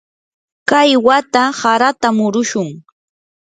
kay wata harata murushun.